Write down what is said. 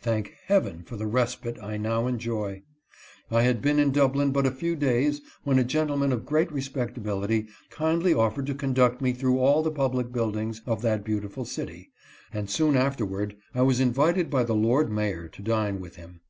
Thank Heaven for the respite I now enjoy ! I had been in Dublin but a few days when a gentleman of great respectability kindly offered to conduct me through all the public buildings of that beautiful city, and soon afterward I was invited by the lord mayor to dine with him.